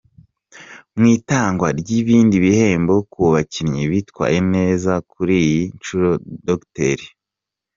Mu itangwa ry’ibindi bihembo ku bakinnyi bitwaye neza kuir iyi nshuro, Dr.